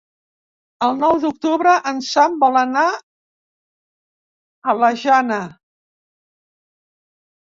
El nou d'octubre en Sam vol anar a la Jana.